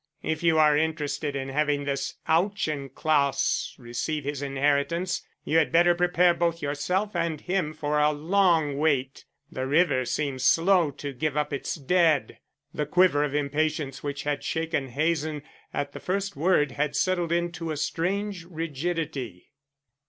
If you are interested in having this Auchincloss receive his inheritance, you had better prepare both yourself and him for a long wait. The river seems slow to give up its dead." The quiver of impatience which had shaken Hazen at the first word had settled into a strange rigidity.